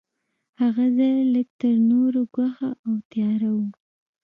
هغه ځای لږ تر نورو ګوښه او تیاره و.